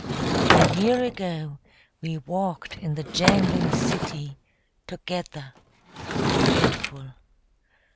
... A year ago we walked in the jangling city Together .... forgetful.